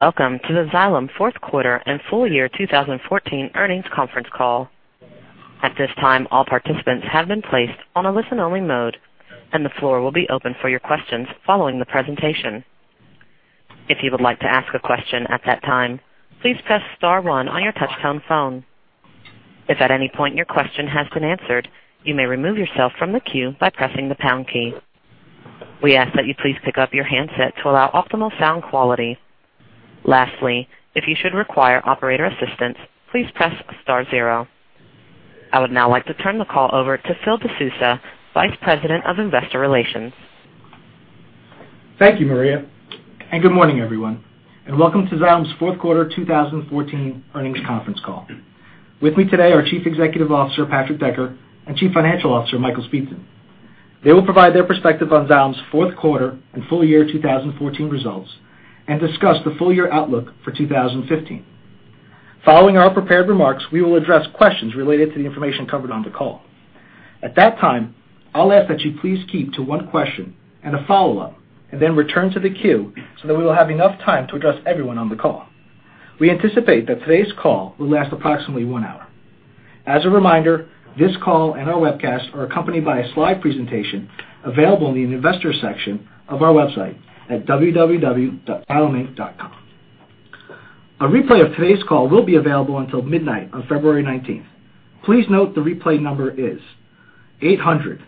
Welcome to the Xylem fourth quarter and full year 2014 earnings conference call. At this time, all participants have been placed on a listen-only mode, and the floor will be open for your questions following the presentation. If you would like to ask a question at that time, please press star one on your touch-tone phone. If at any point your question has been answered, you may remove yourself from the queue by pressing the pound key. We ask that you please pick up your handset to allow optimal sound quality. Lastly, if you should require operator assistance, please press star zero. I would now like to turn the call over to Phil De Sousa, Vice President of Investor Relations. Thank you, Maria. Good morning, everyone, and welcome to Xylem's fourth quarter 2014 earnings conference call. With me today are Chief Executive Officer, Patrick Decker, and Chief Financial Officer, Michael Speetzen. They will provide their perspective on Xylem's fourth quarter and full year 2014 results and discuss the full-year outlook for 2015. Following our prepared remarks, we will address questions related to the information covered on the call. At that time, I'll ask that you please keep to one question and a follow-up and then return to the queue so that we will have enough time to address everyone on the call. We anticipate that today's call will last approximately one hour. As a reminder, this call and our webcast are accompanied by a slide presentation available in the investor section of our website at xyleminc.com. A replay of today's call will be available until midnight on February 19th. Please note the replay number is 800-585-8367.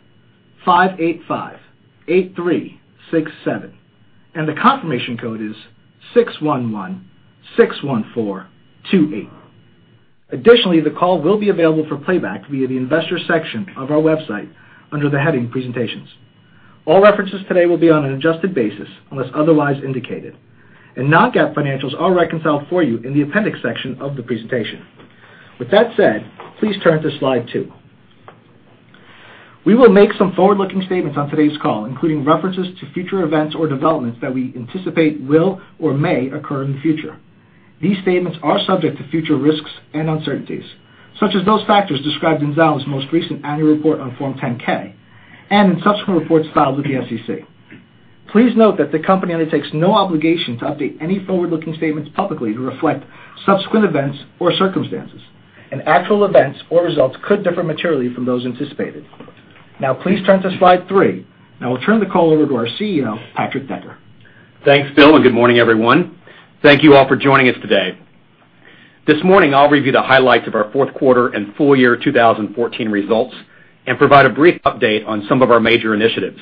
The confirmation code is 61161428. Additionally, the call will be available for playback via the investor section of our website under the heading Presentations. All references today will be on an adjusted basis unless otherwise indicated. Non-GAAP financials are reconciled for you in the appendix section of the presentation. With that said, please turn to slide two. We will make some forward-looking statements on today's call, including references to future events or developments that we anticipate will or may occur in the future. These statements are subject to future risks and uncertainties, such as those factors described in Xylem's most recent annual report on Form 10-K and in subsequent reports filed with the SEC. Please note that the company undertakes no obligation to update any forward-looking statements publicly to reflect subsequent events or circumstances. Actual events or results could differ materially from those anticipated. Now please turn to slide three. I will turn the call over to our CEO, Patrick Decker. Thanks, Phil, good morning, everyone. Thank you all for joining us today. This morning, I'll review the highlights of our fourth quarter and full year 2014 results and provide a brief update on some of our major initiatives.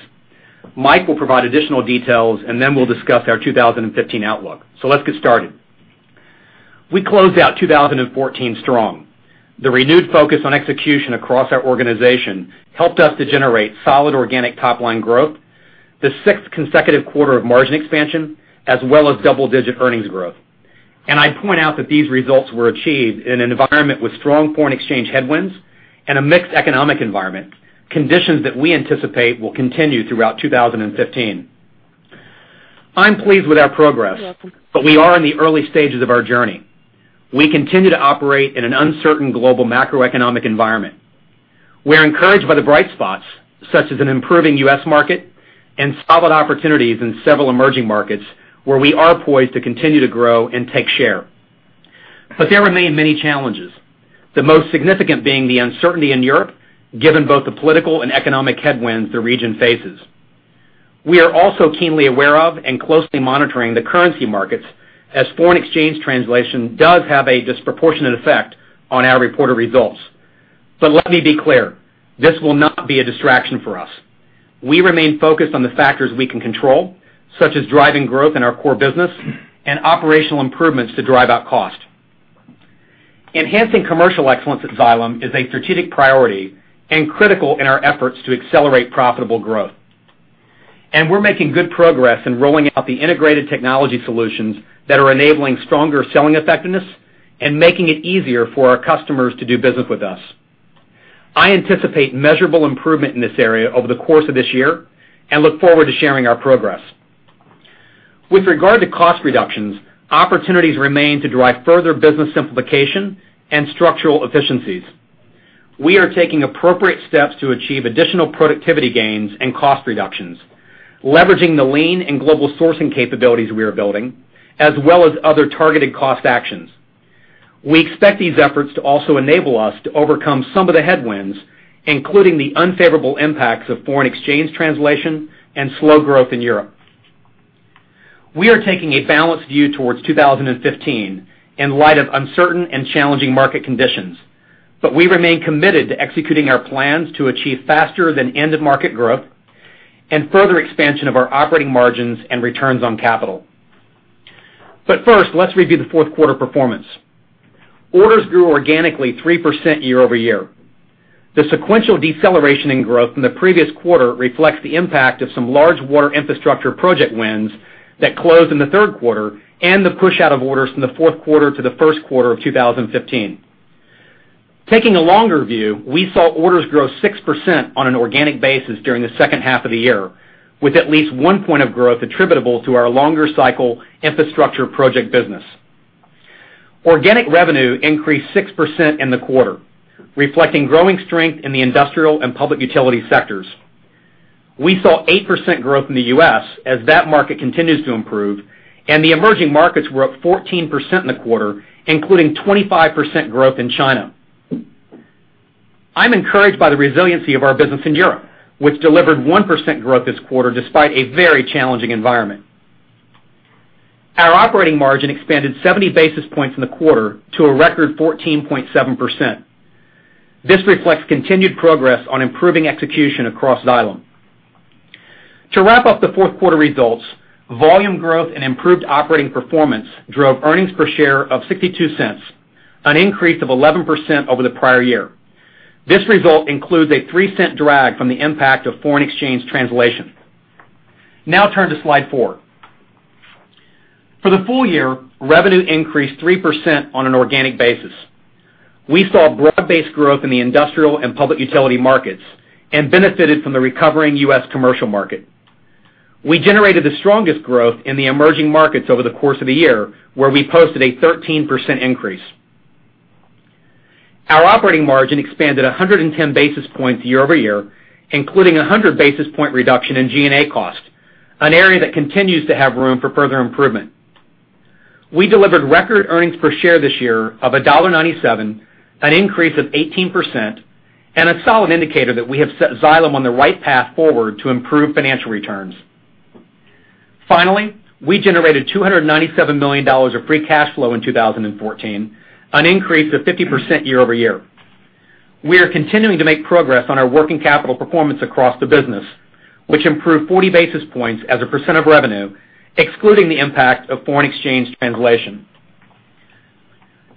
Mike will provide additional details, we'll discuss our 2015 outlook. Let's get started. We closed out 2014 strong. The renewed focus on execution across our organization helped us to generate solid organic top-line growth, the sixth consecutive quarter of margin expansion, as well as double-digit earnings growth. I'd point out that these results were achieved in an environment with strong foreign exchange headwinds and a mixed economic environment, conditions that we anticipate will continue throughout 2015. I'm pleased with our progress, we are in the early stages of our journey. We continue to operate in an uncertain global macroeconomic environment. We're encouraged by the bright spots, such as an improving U.S. market and solid opportunities in several emerging markets where we are poised to continue to grow and take share. There remain many challenges, the most significant being the uncertainty in Europe, given both the political and economic headwinds the region faces. We are also keenly aware of and closely monitoring the currency markets, as foreign exchange translation does have a disproportionate effect on our reported results. Let me be clear, this will not be a distraction for us. We remain focused on the factors we can control, such as driving growth in our core business and operational improvements to drive out cost. Enhancing commercial excellence at Xylem is a strategic priority and critical in our efforts to accelerate profitable growth. We're making good progress in rolling out the integrated technology solutions that are enabling stronger selling effectiveness and making it easier for our customers to do business with us. I anticipate measurable improvement in this area over the course of this year and look forward to sharing our progress. With regard to cost reductions, opportunities remain to drive further business simplification and structural efficiencies. We are taking appropriate steps to achieve additional productivity gains and cost reductions, leveraging the Lean and global sourcing capabilities we are building, as well as other targeted cost actions. We expect these efforts to also enable us to overcome some of the headwinds, including the unfavorable impacts of foreign exchange translation and slow growth in Europe. We are taking a balanced view towards 2015 in light of uncertain and challenging market conditions, we remain committed to executing our plans to achieve faster than end of market growth and further expansion of our operating margins and returns on capital. First, let's review the fourth quarter performance. Orders grew organically 3% year-over-year. The sequential deceleration in growth from the previous quarter reflects the impact of some large Water Infrastructure project wins that closed in the third quarter and the push out of orders from the fourth quarter to the first quarter of 2015. Taking a longer view, we saw orders grow 6% on an organic basis during the second half of the year, with at least one point of growth attributable to our longer cycle infrastructure project business. Organic revenue increased 6% in the quarter, reflecting growing strength in the industrial and public utility sectors. We saw 8% growth in the U.S. as that market continues to improve, and the emerging markets were up 14% in the quarter, including 25% growth in China. I'm encouraged by the resiliency of our business in Europe, which delivered 1% growth this quarter despite a very challenging environment. Our operating margin expanded 70 basis points in the quarter to a record 14.7%. This reflects continued progress on improving execution across Xylem. To wrap up the fourth quarter results, volume growth and improved operating performance drove earnings per share of $0.62, an increase of 11% over the prior year. This result includes a $0.03 drag from the impact of foreign exchange translation. Now turn to slide four. For the full year, revenue increased 3% on an organic basis. We saw broad-based growth in the industrial and public utility markets and benefited from the recovering U.S. commercial market. We generated the strongest growth in the emerging markets over the course of the year, where we posted a 13% increase. Our operating margin expanded 110 basis points year-over-year, including a 100 basis point reduction in G&A cost, an area that continues to have room for further improvement. We delivered record earnings per share this year of $1.97, an increase of 18%, and a solid indicator that we have set Xylem on the right path forward to improve financial returns. Finally, we generated $297 million of free cash flow in 2014, an increase of 50% year-over-year. We are continuing to make progress on our working capital performance across the business, which improved 40 basis points as a % of revenue, excluding the impact of foreign exchange translation.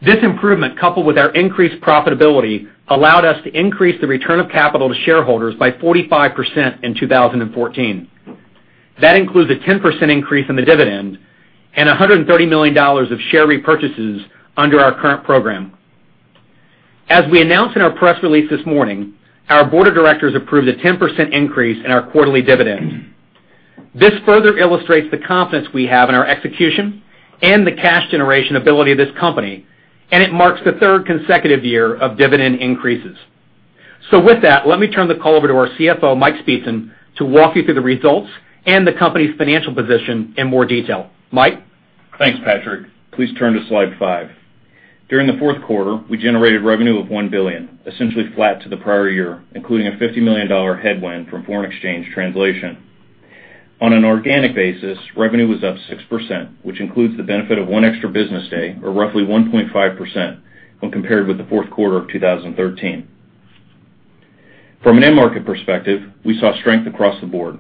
This improvement, coupled with our increased profitability, allowed us to increase the return of capital to shareholders by 45% in 2014. That includes a 10% increase in the dividend and $130 million of share repurchases under our current program. As we announced in our press release this morning, our board of directors approved a 10% increase in our quarterly dividend. It marks the third consecutive year of dividend increases. With that, let me turn the call over to our CFO, Mike Speetzen, to walk you through the results and the company's financial position in more detail. Mike? Thanks, Patrick. Please turn to slide five. During the fourth quarter, we generated revenue of $1 billion, essentially flat to the prior year, including a $50 million headwind from foreign exchange translation. On an organic basis, revenue was up 6%, which includes the benefit of one extra business day, or roughly 1.5% when compared with the fourth quarter of 2013. From an end market perspective, we saw strength across the board.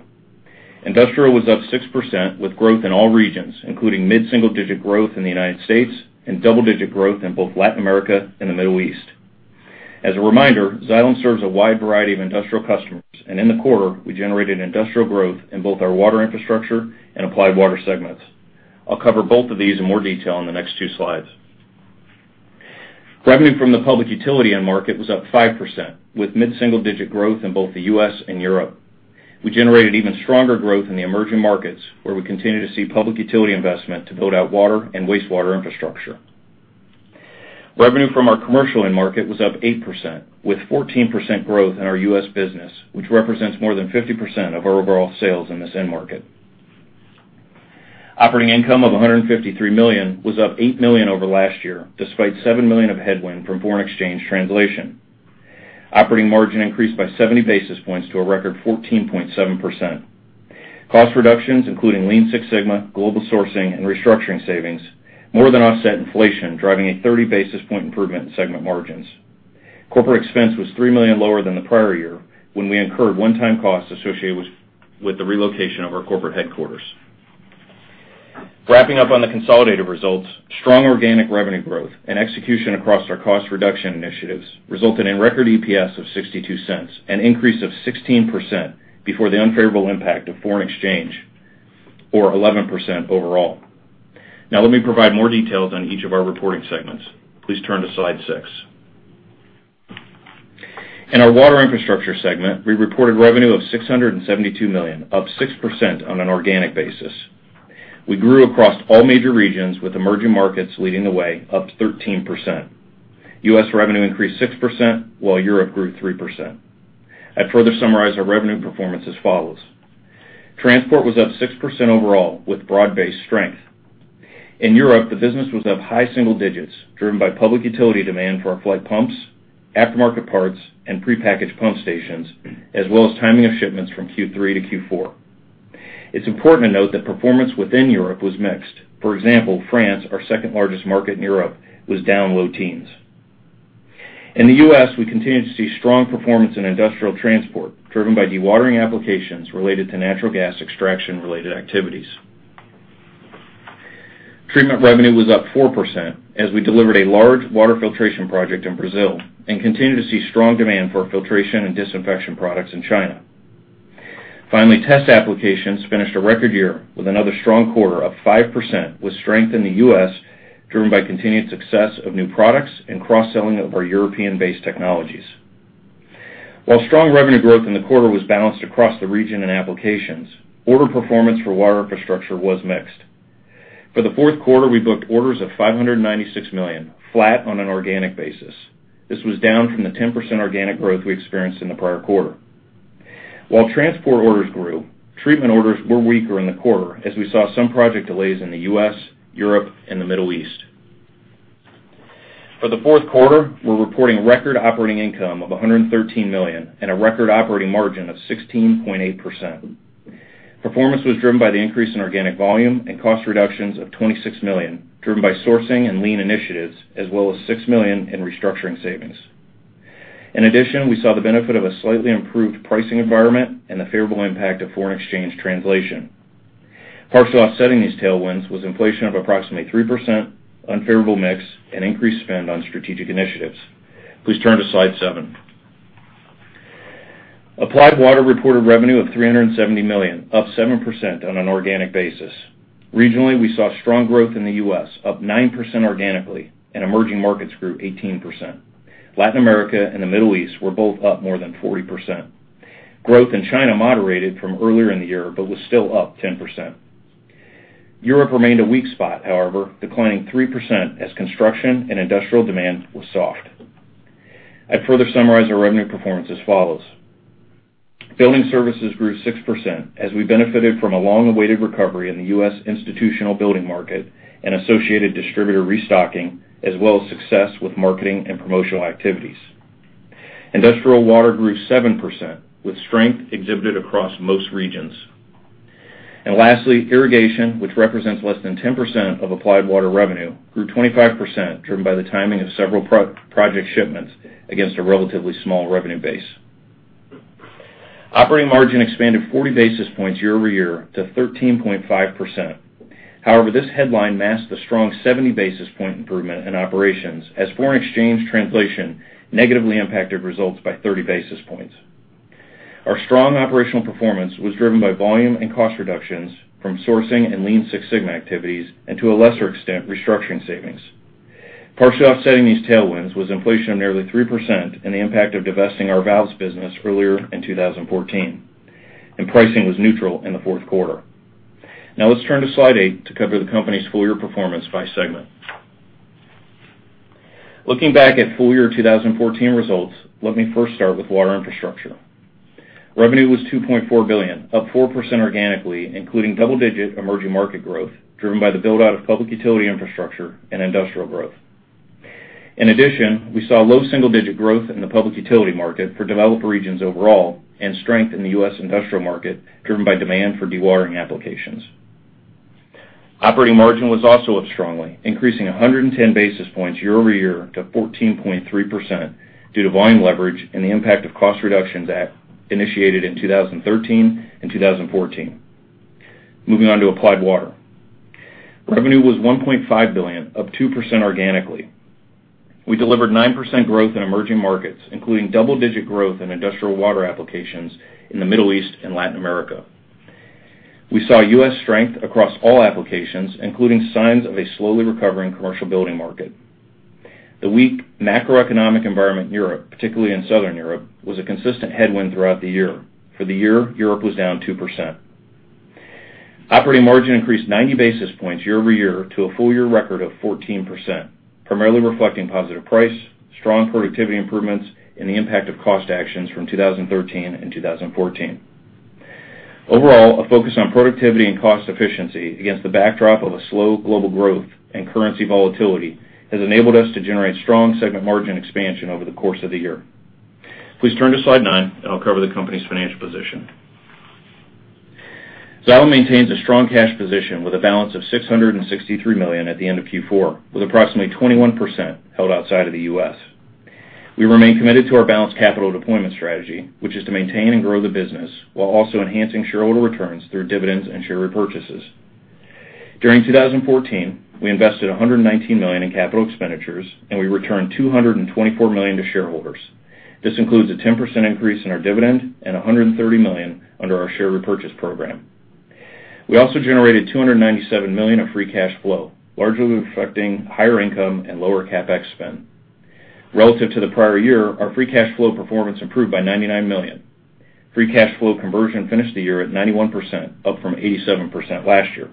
Industrial was up 6% with growth in all regions, including mid-single-digit growth in the U.S. and double-digit growth in both Latin America and the Middle East. In the quarter, we generated industrial growth in both our Water Infrastructure and Applied Water segments. I'll cover both of these in more detail in the next two slides. Revenue from the public utility end market was up 5%, with mid-single-digit growth in both the U.S. and Europe. We generated even stronger growth in the emerging markets, where we continue to see public utility investment to build out water and wastewater infrastructure. Revenue from our commercial end market was up 8%, with 14% growth in our U.S. business, which represents more than 50% of our overall sales in this end market. Operating income of $153 million was up $8 million over last year, despite $7 million of headwind from foreign exchange translation. Operating margin increased by 70 basis points to a record 14.7%. Cost reductions, including Lean Six Sigma, global sourcing, and restructuring savings, more than offset inflation, driving a 30 basis point improvement in segment margins. Corporate expense was $3 million lower than the prior year, when we incurred one-time costs associated with the relocation of our corporate headquarters. Wrapping up on the consolidated results, strong organic revenue growth and execution across our cost reduction initiatives resulted in record EPS of $0.62, an increase of 16% before the unfavorable impact of foreign exchange, or 11% overall. Let me provide more details on each of our reporting segments. Please turn to slide six. In our Water Infrastructure segment, we reported revenue of $672 million, up 6% on an organic basis. We grew across all major regions, with emerging markets leading the way, up 13%. U.S. revenue increased 6%, while Europe grew 3%. I'd further summarize our revenue performance as follows: Transport was up 6% overall, with broad-based strength. In Europe, the business was up high single digits, driven by public utility demand for our Flygt pumps, aftermarket parts, and prepackaged pump stations, as well as timing of shipments from Q3 to Q4. It's important to note that performance within Europe was mixed. For example, France, our second-largest market in Europe, was down low teens. In the U.S., we continued to see strong performance in industrial transport, driven by dewatering applications related to natural gas extraction-related activities. Treatment revenue was up 4% as we delivered a large water filtration project in Brazil and continued to see strong demand for filtration and disinfection products in China. Finally, test applications finished a record year with another strong quarter up 5%, with strength in the U.S. driven by continued success of new products and cross-selling of our European-based technologies. While strong revenue growth in the quarter was balanced across the region and applications, order performance for Water Infrastructure was mixed. For the fourth quarter, we booked orders of $596 million, flat on an organic basis. This was down from the 10% organic growth we experienced in the prior quarter. While transport orders grew, treatment orders were weaker in the quarter as we saw some project delays in the U.S., Europe, and the Middle East. For the fourth quarter, we're reporting record operating income of $113 million and a record operating margin of 16.8%. Performance was driven by the increase in organic volume and cost reductions of $26 million, driven by sourcing and lean initiatives, as well as $6 million in restructuring savings. In addition, we saw the benefit of a slightly improved pricing environment and the favorable impact of foreign exchange translation. Partially offsetting these tailwinds was inflation of approximately 3%, unfavorable mix, and increased spend on strategic initiatives. Please turn to slide seven. Applied Water reported revenue of $370 million, up 7% on an organic basis. Regionally, we saw strong growth in the U.S., up 9% organically, and emerging markets grew 18%. Latin America and the Middle East were both up more than 40%. Growth in China moderated from earlier in the year but was still up 10%. Europe remained a weak spot, however, declining 3% as construction and industrial demand was soft. I'd further summarize our revenue performance as follows. Building services grew 6% as we benefited from a long-awaited recovery in the U.S. institutional building market and associated distributor restocking, as well as success with marketing and promotional activities. Industrial water grew 7%, with strength exhibited across most regions. Lastly, irrigation, which represents less than 10% of Applied Water revenue, grew 25%, driven by the timing of several project shipments against a relatively small revenue base. Operating margin expanded 40 basis points year-over-year to 13.5%. However, this headline masked a strong 70 basis point improvement in operations as foreign exchange translation negatively impacted results by 30 basis points. Our strong operational performance was driven by volume and cost reductions from sourcing and Lean Six Sigma activities, and to a lesser extent, restructuring savings. Partially offsetting these tailwinds was inflation of nearly 3% and the impact of divesting our valves business earlier in 2014, and pricing was neutral in the fourth quarter. Now let's turn to slide eight to cover the company's full year performance by segment. Looking back at full year 2014 results, let me first start with Water Infrastructure. Revenue was $2.4 billion, up 4% organically, including double-digit emerging market growth, driven by the build-out of public utility infrastructure and industrial growth. In addition, we saw low double-digit growth in the public utility market for developed regions overall and strength in the U.S. industrial market, driven by demand for dewatering applications. Operating margin was also up strongly, increasing 110 basis points year-over-year to 14.3% due to volume leverage and the impact of cost reductions initiated in 2013 and 2014. Moving on to Applied Water. Revenue was $1.5 billion, up 2% organically. We delivered 9% growth in emerging markets, including double-digit growth in industrial water applications in the Middle East and Latin America. We saw U.S. strength across all applications, including signs of a slowly recovering commercial building market. The weak macroeconomic environment in Europe, particularly in Southern Europe, was a consistent headwind throughout the year. For the year, Europe was down 2%. Operating margin increased 90 basis points year-over-year to a full year record of 14%, primarily reflecting positive price, strong productivity improvements, and the impact of cost actions from 2013 and 2014. Overall, a focus on productivity and cost efficiency against the backdrop of a slow global growth and currency volatility has enabled us to generate strong segment margin expansion over the course of the year. Please turn to slide nine, and I'll cover the company's financial position. Xylem maintains a strong cash position with a balance of $663 million at the end of Q4, with approximately 21% held outside of the U.S. We remain committed to our balanced capital deployment strategy, which is to maintain and grow the business while also enhancing shareholder returns through dividends and share repurchases. During 2014, we invested $119 million in capital expenditures. We returned $224 million to shareholders. This includes a 10% increase in our dividend and $130 million under our share repurchase program. We also generated $297 million of free cash flow, largely reflecting higher income and lower CapEx spend. Relative to the prior year, our free cash flow performance improved by $99 million. Free cash flow conversion finished the year at 91%, up from 87% last year.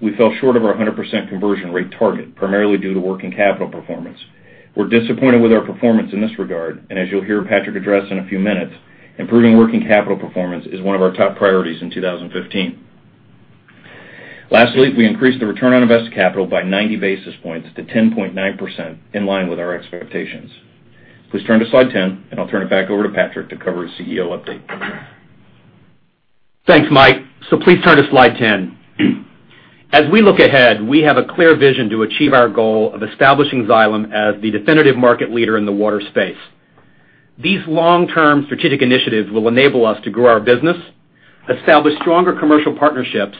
We fell short of our 100% conversion rate target, primarily due to working capital performance. We're disappointed with our performance in this regard, and as you'll hear Patrick address in a few minutes, improving working capital performance is one of our top priorities in 2015. Lastly, we increased the return on invested capital by 90 basis points to 10.9%, in line with our expectations. Please turn to slide 10. I'll turn it back over to Patrick to cover his CEO update. Thanks, Mike. Please turn to slide 10. As we look ahead, we have a clear vision to achieve our goal of establishing Xylem as the definitive market leader in the water space. These long-term strategic initiatives will enable us to grow our business, establish stronger commercial partnerships,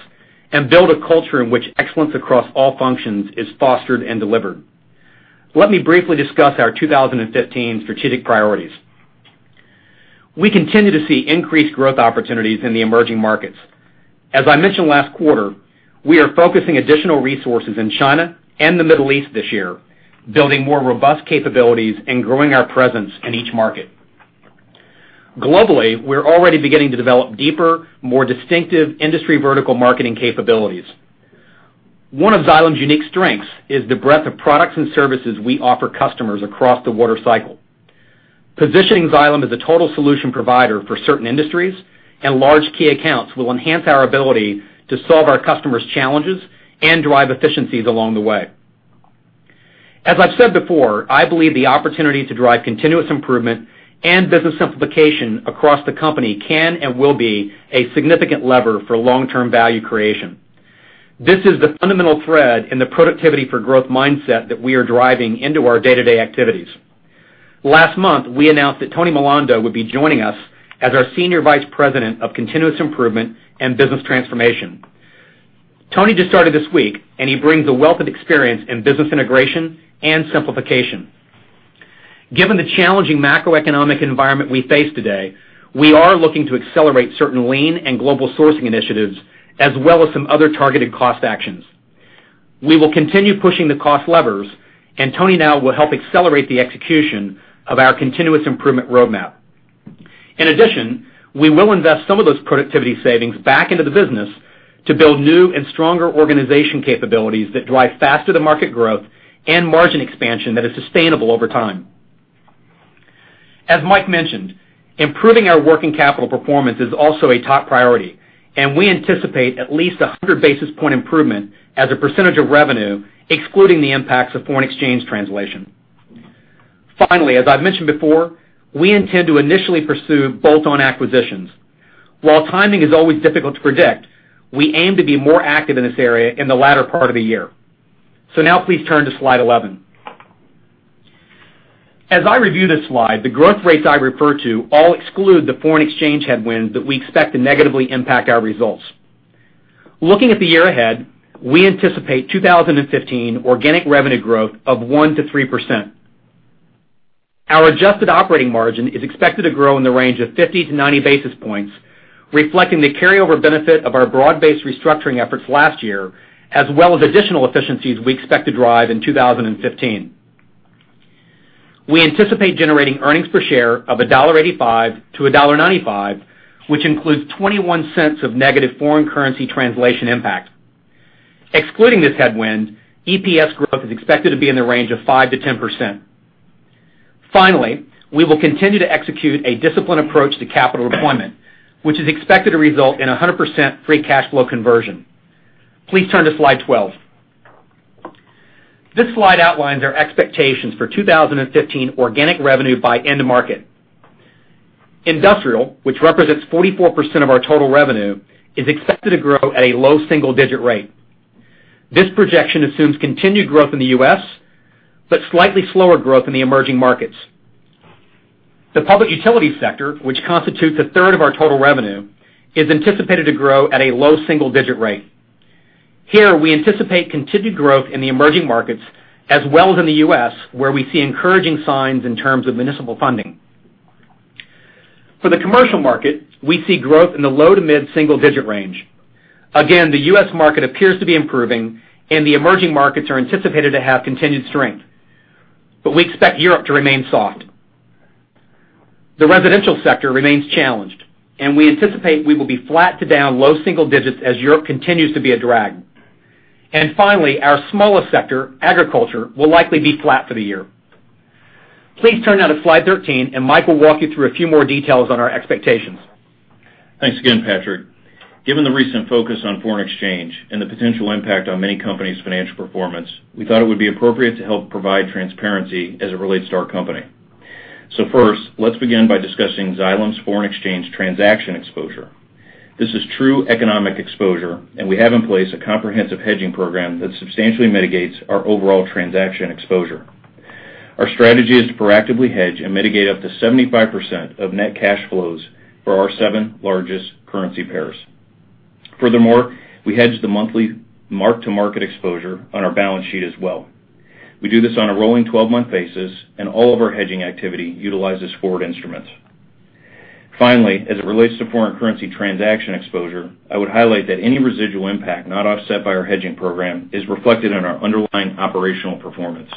and build a culture in which excellence across all functions is fostered and delivered. Let me briefly discuss our 2015 strategic priorities. We continue to see increased growth opportunities in the emerging markets. As I mentioned last quarter, we are focusing additional resources in China and the Middle East this year, building more robust capabilities and growing our presence in each market. Globally, we're already beginning to develop deeper, more distinctive industry vertical marketing capabilities. One of Xylem's unique strengths is the breadth of products and services we offer customers across the water cycle. Positioning Xylem as a total solution provider for certain industries and large key accounts will enhance our ability to solve our customers' challenges and drive efficiencies along the way. As I've said before, I believe the opportunity to drive continuous improvement and business simplification across the company can and will be a significant lever for long-term value creation. This is the fundamental thread in the productivity-for-growth mindset that we are driving into our day-to-day activities. Last month, we announced that Tony Milando would be joining us as our Senior Vice President of Continuous Improvement and Business Transformation. Tony just started this week. He brings a wealth of experience in business integration and simplification. Given the challenging macroeconomic environment we face today, we are looking to accelerate certain lean and global sourcing initiatives, as well as some other targeted cost actions. We will continue pushing the cost levers, Tony now will help accelerate the execution of our continuous improvement roadmap. In addition, we will invest some of those productivity savings back into the business to build new and stronger organization capabilities that drive faster-to-market growth and margin expansion that is sustainable over time. As Mike mentioned, improving our working capital performance is also a top priority, and we anticipate at least 100-basis-point improvement as a percentage of revenue, excluding the impacts of foreign exchange translation. Finally, as I've mentioned before, we intend to initially pursue bolt-on acquisitions. While timing is always difficult to predict, we aim to be more active in this area in the latter part of the year. Now please turn to slide 11. As I review this slide, the growth rates I refer to all exclude the foreign exchange headwinds that we expect to negatively impact our results. Looking at the year ahead, we anticipate 2015 organic revenue growth of 1%-3%. Our adjusted operating margin is expected to grow in the range of 50 to 90 basis points, reflecting the carryover benefit of our broad-based restructuring efforts last year, as well as additional efficiencies we expect to drive in 2015. We anticipate generating earnings per share of $1.85-$1.95, which includes $0.21 of negative foreign currency translation impact. Excluding this headwind, EPS growth is expected to be in the range of 5%-10%. Finally, we will continue to execute a disciplined approach to capital deployment, which is expected to result in 100% free cash flow conversion. Please turn to slide 12. This slide outlines our expectations for 2015 organic revenue by end market. Industrial, which represents 44% of our total revenue, is expected to grow at a low single-digit rate. This projection assumes continued growth in the U.S., but slightly slower growth in the emerging markets. The public utility sector, which constitutes a third of our total revenue, is anticipated to grow at a low single-digit rate. Here, we anticipate continued growth in the emerging markets as well as in the U.S., where we see encouraging signs in terms of municipal funding. For the commercial market, we see growth in the low to mid-single digit range. Again, the U.S. market appears to be improving, and the emerging markets are anticipated to have continued strength, but we expect Europe to remain soft. The residential sector remains challenged, we anticipate we will be flat to down low single digits as Europe continues to be a drag. Finally, our smallest sector, agriculture, will likely be flat for the year. Please turn now to slide 13, Mike will walk you through a few more details on our expectations. Thanks again, Patrick. Given the recent focus on foreign exchange and the potential impact on many companies' financial performance, we thought it would be appropriate to help provide transparency as it relates to our company. First, let's begin by discussing Xylem's foreign exchange transaction exposure. This is true economic exposure, and we have in place a comprehensive hedging program that substantially mitigates our overall transaction exposure. Our strategy is to proactively hedge and mitigate up to 75% of net cash flows for our seven largest currency pairs. Furthermore, we hedge the monthly mark-to-market exposure on our balance sheet as well. We do this on a rolling 12-month basis, and all of our hedging activity utilizes forward instruments. Finally, as it relates to foreign currency transaction exposure, I would highlight that any residual impact not offset by our hedging program is reflected in our underlying operational performance.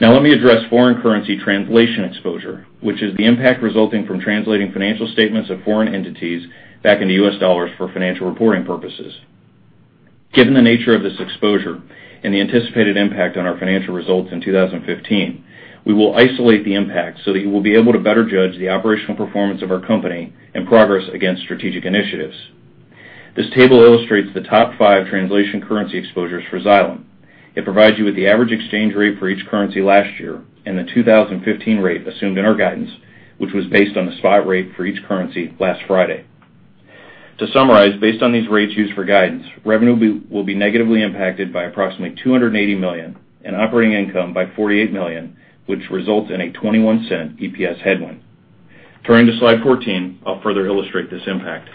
Let me address foreign currency translation exposure, which is the impact resulting from translating financial statements of foreign entities back into U.S. dollars for financial reporting purposes. Given the nature of this exposure and the anticipated impact on our financial results in 2015, we will isolate the impact so that you will be able to better judge the operational performance of our company and progress against strategic initiatives. This table illustrates the top five translation currency exposures for Xylem. It provides you with the average exchange rate for each currency last year and the 2015 rate assumed in our guidance, which was based on the spot rate for each currency last Friday. To summarize, based on these rates used for guidance, revenue will be negatively impacted by approximately $280 million and operating income by $48 million, which results in a $0.21 EPS headwind. Turning to slide 14, I'll further illustrate this impact.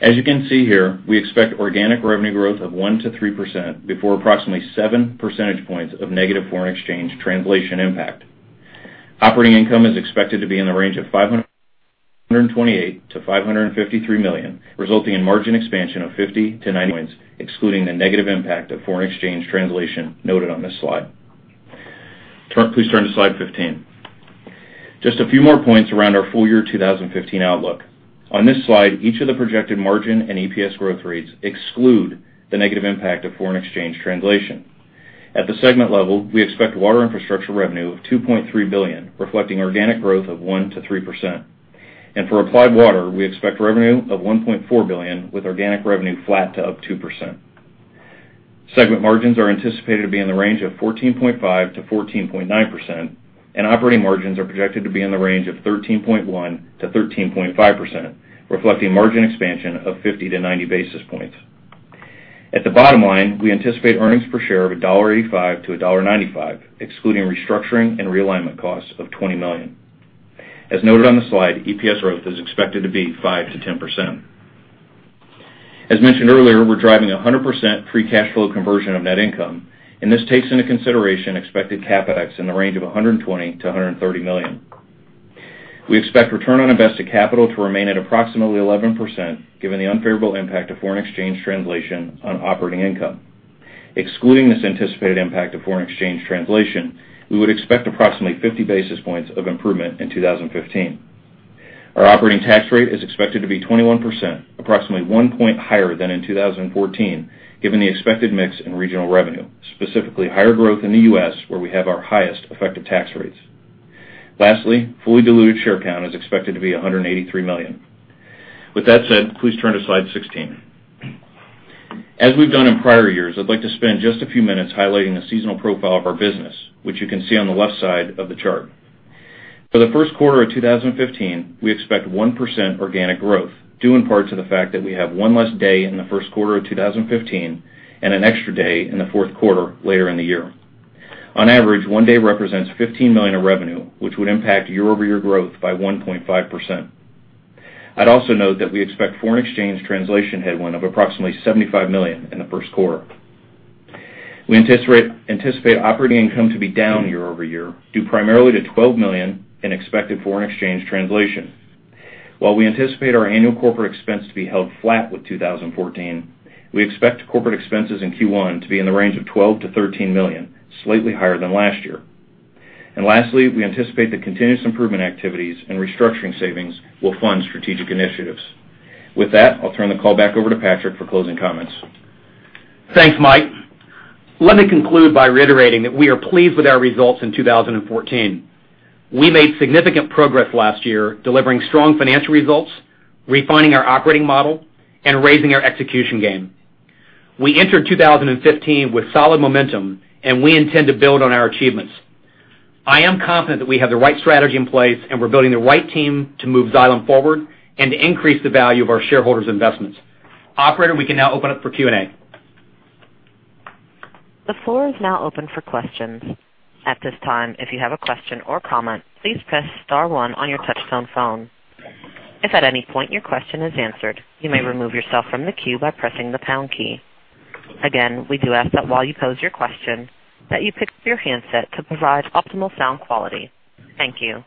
As you can see here, we expect organic revenue growth of 1% to 3% before approximately seven percentage points of negative foreign exchange translation impact. Operating income is expected to be in the range of $528 million-$553 million, resulting in margin expansion of 50 to 90 points, excluding the negative impact of foreign exchange translation noted on this slide. Please turn to slide 15. Just a few more points around our full year 2015 outlook. On this slide, each of the projected margin and EPS growth rates exclude the negative impact of foreign exchange translation. At the segment level, we expect Water Infrastructure revenue of $2.3 billion, reflecting organic growth of 1% to 3%. For Applied Water, we expect revenue of $1.4 billion, with organic revenue flat to up 2%. Segment margins are anticipated to be in the range of 14.5%-14.9%, and operating margins are projected to be in the range of 13.1%-13.5%, reflecting margin expansion of 50 to 90 basis points. At the bottom line, we anticipate earnings per share of $1.85-$1.95, excluding restructuring and realignment costs of $20 million. As noted on the slide, EPS growth is expected to be 5%-10%. As mentioned earlier, we're driving 100% free cash flow conversion of net income, and this takes into consideration expected CapEx in the range of $120 million-$130 million. We expect return on invested capital to remain at approximately 11%, given the unfavorable impact of foreign exchange translation on operating income. Excluding this anticipated impact of foreign exchange translation, we would expect approximately 50 basis points of improvement in 2015. Our operating tax rate is expected to be 21%, approximately one point higher than in 2014, given the expected mix in regional revenue, specifically higher growth in the U.S., where we have our highest effective tax rates. Lastly, fully diluted share count is expected to be 183 million. With that said, please turn to slide 16. As we've done in prior years, I'd like to spend just a few minutes highlighting the seasonal profile of our business, which you can see on the left side of the chart. For the first quarter of 2015, we expect 1% organic growth, due in part to the fact that we have one less day in the first quarter of 2015 and an extra day in the fourth quarter later in the year. On average, one day represents $15 million of revenue, which would impact year-over-year growth by 1.5%. I'd also note that we expect foreign exchange translation headwind of approximately $75 million in the first quarter. We anticipate operating income to be down year-over-year, due primarily to $12 million in expected foreign exchange translation. While we anticipate our annual corporate expense to be held flat with 2014, we expect corporate expenses in Q1 to be in the range of $12 million-$13 million, slightly higher than last year. Lastly, we anticipate the continuous improvement activities and restructuring savings will fund strategic initiatives. With that, I'll turn the call back over to Patrick for closing comments. Thanks, Mike. Let me conclude by reiterating that we are pleased with our results in 2014. We made significant progress last year, delivering strong financial results, refining our operating model, and raising our execution game. We entered 2015 with solid momentum, and we intend to build on our achievements. I am confident that we have the right strategy in place and we're building the right team to move Xylem forward and to increase the value of our shareholders' investments. Operator, we can now open up for Q&A. The floor is now open for questions. At this time, if you have a question or comment, please press star one on your touchtone phone. If at any point your question is answered, you may remove yourself from the queue by pressing the pound key. Again, we do ask that while you pose your question, that you pick up your handset to provide optimal sound quality. Thank you.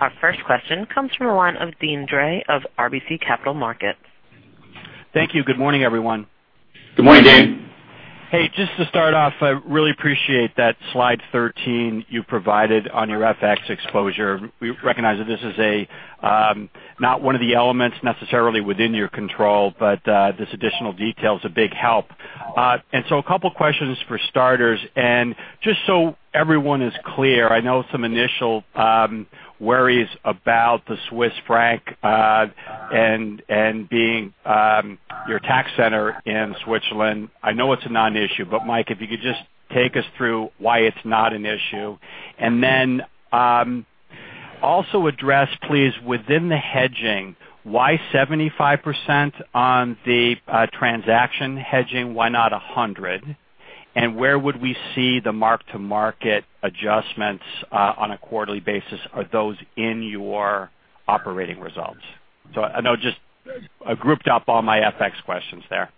Our first question comes from the line of Deane Dray of RBC Capital Markets. Thank you. Good morning, everyone. Good morning, Deane. I really appreciate that slide 13 you provided on your FX exposure. We recognize that this is not one of the elements necessarily within your control, but this additional detail is a big help. A couple questions for starters. Just so everyone is clear, I know some initial worries about the Swiss franc and being your tax center in Switzerland. I know it's a non-issue, but Mike, if you could just take us through why it's not an issue. Then also address, please, within the hedging, why 75% on the transaction hedging? Why not 100? Where would we see the mark-to-market adjustments on a quarterly basis? Are those in your operating results? I know I grouped up all my FX questions there.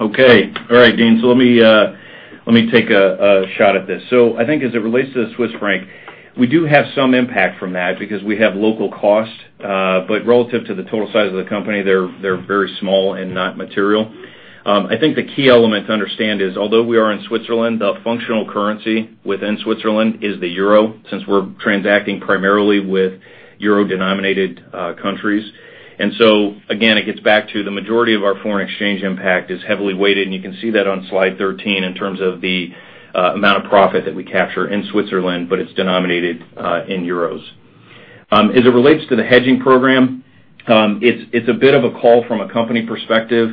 Okay. All right, Deane. Let me take a shot at this. I think as it relates to the Swiss franc, we do have some impact from that because we have local costs. But relative to the total size of the company, they're very small and not material. I think the key element to understand is, although we are in Switzerland, the functional currency within Switzerland is the euro, since we're transacting primarily with euro-denominated countries. Again, it gets back to the majority of our foreign exchange impact is heavily weighted, and you can see that on slide 13 in terms of the amount of profit that we capture in Switzerland, but it's denominated in euros. As it relates to the hedging program, it's a bit of a call from a company perspective.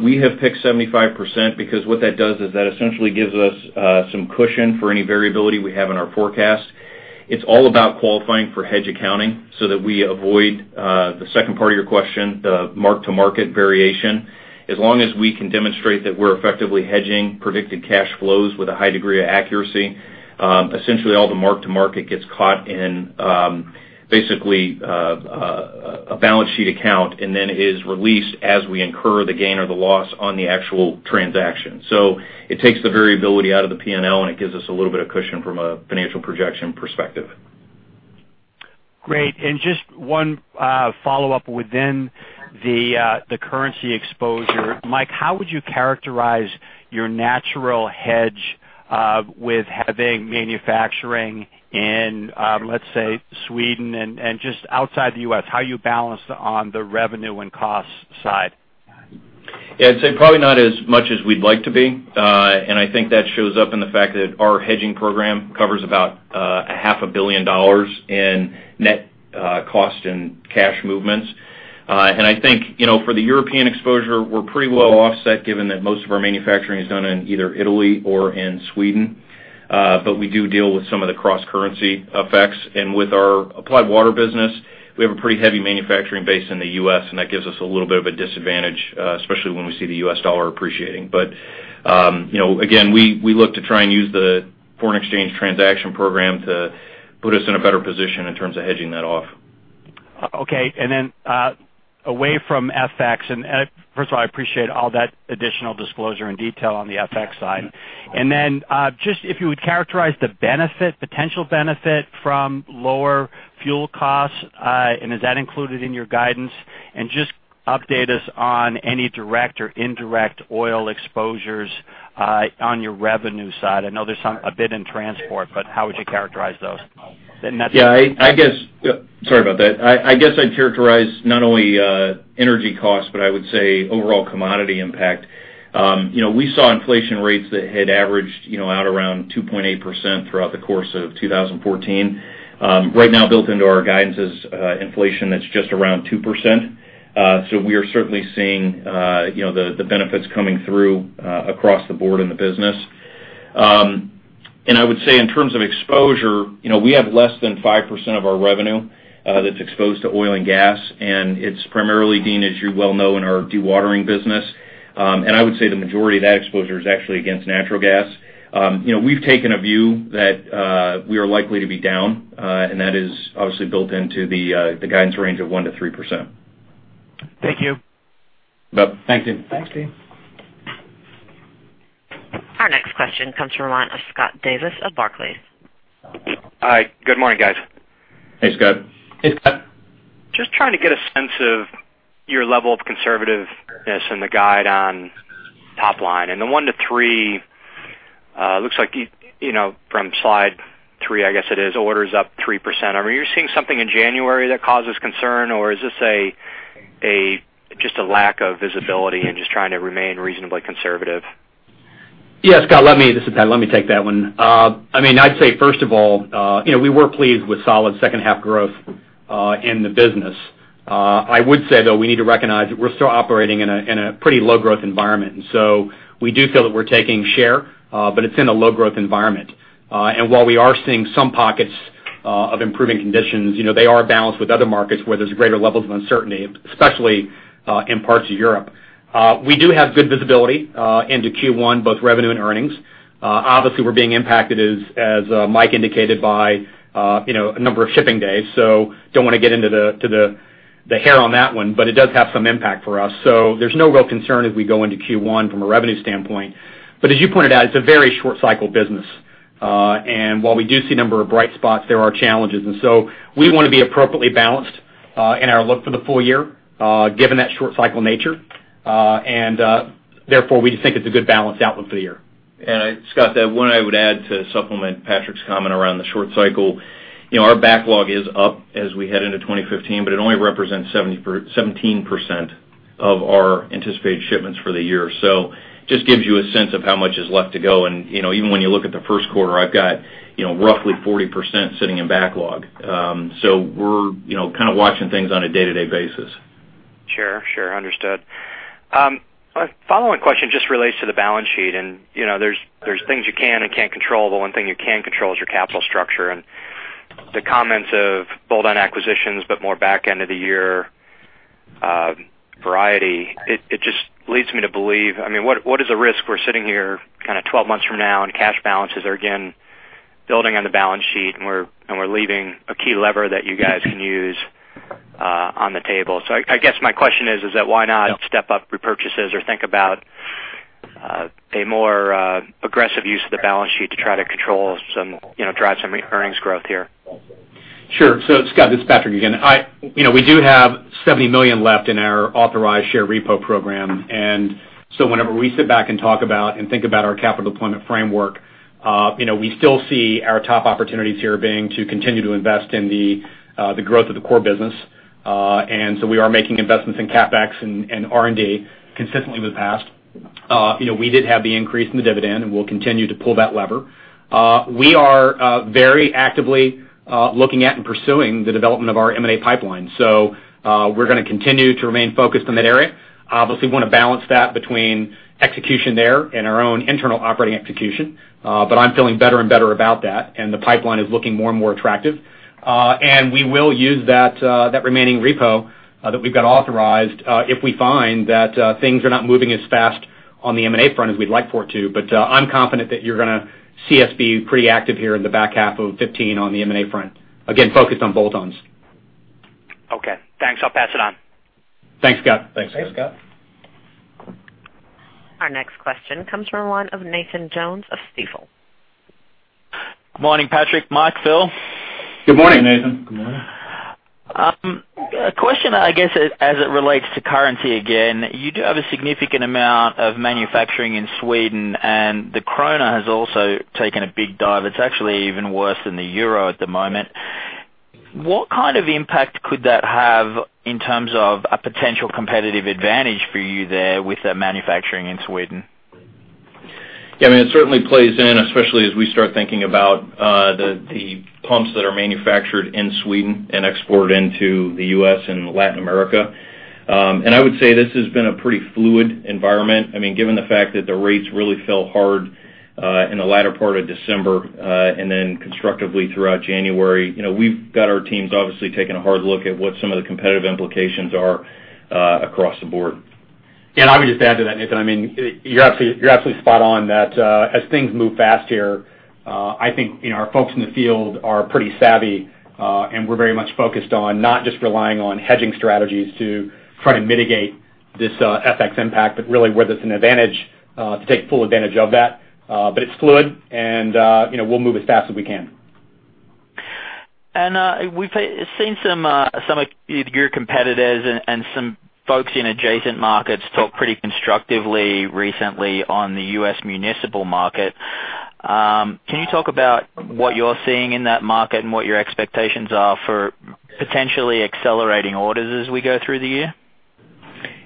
We have picked 75% because what that does is that essentially gives us some cushion for any variability we have in our forecast. It's all about qualifying for hedge accounting so that we avoid the second part of your question, the mark-to-market variation. As long as we can demonstrate that we're effectively hedging predicted cash flows with a high degree of accuracy, essentially all the mark-to-market gets caught in a balance sheet account, and then is released as we incur the gain or the loss on the actual transaction. It takes the variability out of the P&L, and it gives us a little bit of cushion from a financial projection perspective. Great. Just one follow-up within the currency exposure. Mike, how would you characterize your natural hedge with having manufacturing in, let's say, Sweden and just outside the U.S., how you balance on the revenue and cost side? I'd say probably not as much as we'd like to be. I think that shows up in the fact that our hedging program covers about a half a billion dollars in net cost and cash movements. I think, for the European exposure, we're pretty well offset given that most of our manufacturing is done in either Italy or in Sweden. We do deal with some of the cross-currency effects. With our Applied Water business, we have a pretty heavy manufacturing base in the U.S., and that gives us a little bit of a disadvantage, especially when we see the U.S. dollar appreciating. Again, we look to try and use the foreign exchange transaction program to put us in a better position in terms of hedging that off. Okay. Then, away from FX, first of all, I appreciate all that additional disclosure and detail on the FX side. Then, just if you would characterize the potential benefit from lower fuel costs, is that included in your guidance? Just update us on any direct or indirect oil exposures on your revenue side. I know there's a bit in transport, but how would you characterize those? Yeah. Sorry about that. I guess I'd characterize not only energy costs, but I would say overall commodity impact. We saw inflation rates that had averaged out around 2.8% throughout the course of 2014. Right now, built into our guidance is inflation that's just around 2%. We are certainly seeing the benefits coming through across the board in the business. I would say in terms of exposure, we have less than 5% of our revenue that's exposed to oil and gas, and it's primarily, Deane, as you well know, in our dewatering business. I would say the majority of that exposure is actually against natural gas. We've taken a view that we are likely to be down, and that is obviously built into the guidance range of 1%-3%. Thank you. Yep. Thank you. Thanks, Deane. Our next question comes from the line of Scott Davis of Barclays. Hi. Good morning, guys. Thanks, Scott. Hey, Scott. Just trying to get a sense of your level of conservativeness in the guide on top line. The 1%-3%, looks like from slide three, I guess it is, order's up 3%. Are you seeing something in January that causes concern, or is this just a lack of visibility and just trying to remain reasonably conservative? Yeah, Scott, this is Pat. Let me take that one. I'd say, first of all, we were pleased with solid second half growth in the business. I would say, though, we need to recognize that we're still operating in a pretty low growth environment. We do feel that we're taking share, but it's in a low growth environment. While we are seeing some pockets of improving conditions, they are balanced with other markets where there's greater levels of uncertainty, especially in parts of Europe. We do have good visibility into Q1, both revenue and earnings. Obviously, we're being impacted, as Mike indicated, by a number of shipping days. Don't want to get into the hair on that one, but it does have some impact for us. There's no real concern as we go into Q1 from a revenue standpoint. As you pointed out, it's a very short cycle business. While we do see a number of bright spots, there are challenges. We want to be appropriately balanced in our look for the full year, given that short cycle nature. Therefore, we think it's a good balanced outlook for the year. Scott, what I would add to supplement Patrick's comment around the short cycle, our backlog is up as we head into 2015, but it only represents 17% of our anticipated shipments for the year. Just gives you a sense of how much is left to go. Even when you look at the first quarter, I've got roughly 40% sitting in backlog. We're kind of watching things on a day-to-day basis. Sure. Understood. My follow-on question just relates to the balance sheet, there's things you can and can't control. The one thing you can control is your capital structure and the comments of bolt-on acquisitions, more back end of the year variety. It just leads me to believe, what is the risk we're sitting here kind of 12 months from now and cash balances are again building on the balance sheet, and we're leaving a key lever that you guys can use on the table. I guess my question is that why not step up repurchases or think about a more aggressive use of the balance sheet to try to drive some earnings growth here? Sure. Scott, this is Patrick again. We do have $70 million left in our authorized share repo program. Whenever we sit back and talk about and think about our capital deployment framework, we still see our top opportunities here being to continue to invest in the growth of the core business. We are making investments in CapEx and R&D consistently with the past. We did have the increase in the dividend, and we'll continue to pull that lever. We are very actively looking at and pursuing the development of our M&A pipeline. We're going to continue to remain focused on that area. Obviously, want to balance that between execution there and our own internal operating execution. I'm feeling better and better about that, and the pipeline is looking more and more attractive. We will use that remaining repo that we've got authorized if we find that things are not moving as fast on the M&A front as we'd like for it to. I'm confident that you're going to see us be pretty active here in the back half of 2015 on the M&A front. Again, focused on bolt-ons. Okay. Thanks. I'll pass it on. Thanks, Scott. Thanks, Scott. Our next question comes from the line of Nathan Jones of Stifel. Good morning, Patrick, Mike, Phil. Good morning, Nathan. Good morning. A question, I guess, as it relates to currency again. You do have a significant amount of manufacturing in Sweden, and the krona has also taken a big dive. It's actually even worse than the euro at the moment. What kind of impact could that have in terms of a potential competitive advantage for you there with that manufacturing in Sweden? Yeah, it certainly plays in, especially as we start thinking about the pumps that are manufactured in Sweden and exported into the U.S. and Latin America. I would say this has been a pretty fluid environment. Given the fact that the rates really fell hard in the latter part of December, then constructively throughout January. We've got our teams obviously taking a hard look at what some of the competitive implications are across the board. I would just add to that, Nathan, you're absolutely spot on that as things move fast here, I think our folks in the field are pretty savvy, and we're very much focused on not just relying on hedging strategies to try to mitigate this FX impact, but really where there's an advantage, to take full advantage of that. It's fluid and we'll move as fast as we can. We've seen some of your competitors and some folks in adjacent markets talk pretty constructively recently on the U.S. municipal market. Can you talk about what you're seeing in that market and what your expectations are for potentially accelerating orders as we go through the year?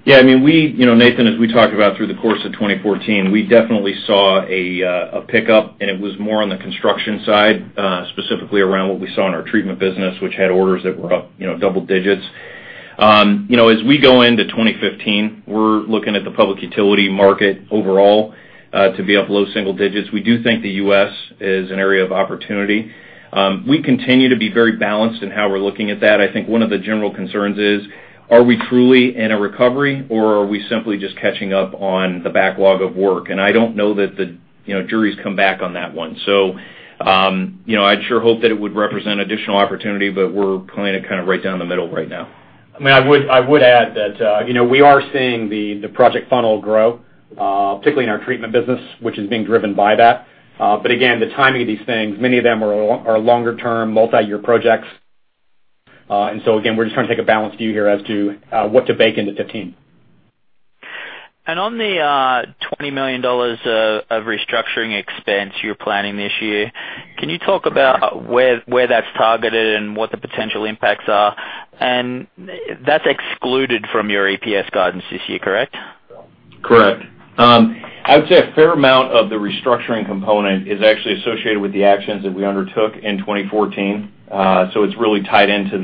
Yeah. Nathan, as we talked about through the course of 2014, we definitely saw a pickup, and it was more on the construction side, specifically around what we saw in our treatment business, which had orders that were up double digits. As we go into 2015, we're looking at the public utility market overall to be up low single digits. We do think the U.S. is an area of opportunity. We continue to be very balanced in how we're looking at that. I think one of the general concerns is, are we truly in a recovery, or are we simply just catching up on the backlog of work? I don't know that the jury's come back on that one. I sure hope that it would represent additional opportunity, but we're playing it right down the middle right now. I would add that we are seeing the project funnel grow, particularly in our treatment business, which is being driven by that. Again, the timing of these things, many of them are longer-term, multi-year projects. Again, we're just trying to take a balanced view here as to what to bake into 2015. On the $20 million of restructuring expense you're planning this year, can you talk about where that's targeted and what the potential impacts are? That's excluded from your EPS guidance this year, correct? Correct. I would say a fair amount of the restructuring component is actually associated with the actions that we undertook in 2014. It's really tied into